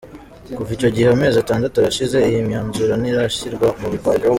Kuva icyo gihe amezi atandatu arashize, iyi myanzuro ntirashyirwa mu bikorwa.